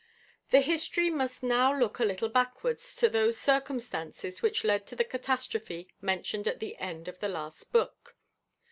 _ The history must now look a little backwards to those circumstances which led to the catastrophe mentioned at the end of the last book.